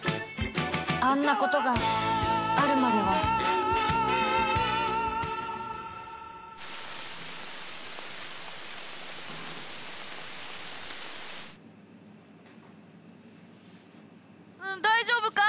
あんなことがあるまでは大丈夫か！？